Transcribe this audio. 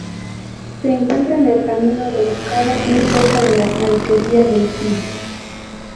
Se encuentra en el camino de Moncada, muy cerca de la alquería del Pi.